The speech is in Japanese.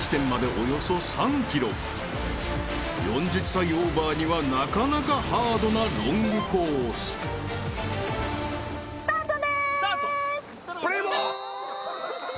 ［４０歳オーバーにはなかなかハードなロングコース］スタートです！